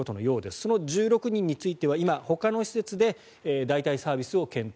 その１６人については今、ほかの施設で代替サービスを検討。